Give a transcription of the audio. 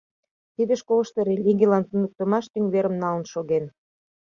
Тиде школышто религийлан туныктымаш тӱҥ верым налын шоген.